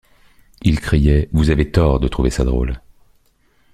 Il criait: — Vous avez tort de trouver ça drôle.